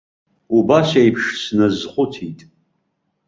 Убас еиԥш сназхәыцит.